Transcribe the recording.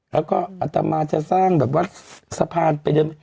แล้วก็อาจจะมาสร้างแบบวัดสะพาน